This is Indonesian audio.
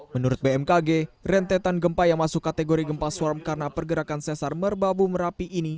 menurut bmkg rentetan gempa yang masuk kategori gempa suam karena pergerakan sesar merbabu merapi ini